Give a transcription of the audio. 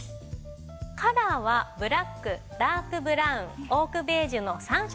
カラーはブラックダークブラウンオークベージュの３色。